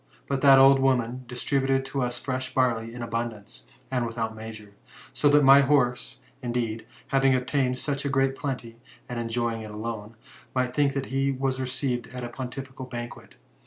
But that old woman distributed to us fresh barley in abundance, and without' measure ; so that my horse, indeed, having obtained such great plenty, and enjoying it alone, might think that he was received at a pontifical ban quet.